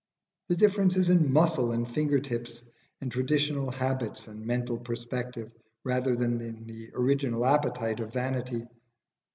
The difference is in muscle and finger tips, in traditional habits and mental perspective, rather than in the original appetite of vanity.